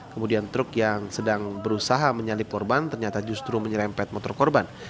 kemudian truk yang sedang berusaha menyalip korban ternyata justru menyerempet motor korban